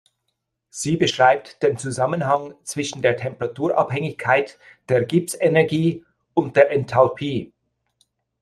Sie beschreibt den Zusammenhang zwischen der Temperaturabhängigkeit der Gibbs-Energie und der Enthalpie.